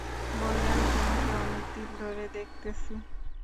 বললেন, তোমাকে অনেকদিন ধরে দেখতেছি।